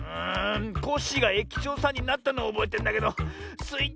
コッシーがえきちょうさんになったのはおぼえてんだけどスイ